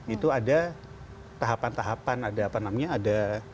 itu ada tahapan tahapan ada apa namanya ada